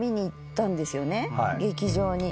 劇場に。